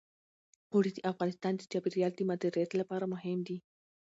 اوړي د افغانستان د چاپیریال د مدیریت لپاره مهم دي.